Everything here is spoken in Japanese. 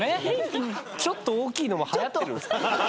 ちょっと大きいのはやってるんすか？